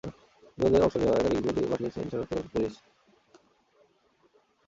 ইতিমধ্যে হত্যায় অংশ নেওয়া একাধিক খুনি শনাক্ত করে গ্রেপ্তারের চেষ্টা করছে পুলিশ।